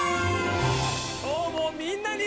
今日もみんなに。